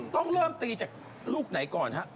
ต้องเริ่มตีจากลูกไหนก่อนฮะ